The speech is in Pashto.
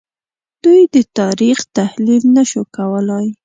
دوی د تاریخ تحلیل نه شو کولای